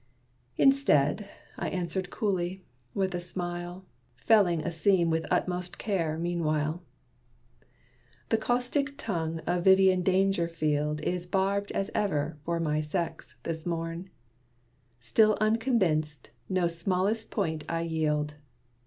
Instead, I answered coolly, with a smile, Felling a seam with utmost care, meanwhile. "The caustic tongue of Vivian Dangerfield Is barbed as ever, for my sex, this morn. Still unconvinced, no smallest point I yield.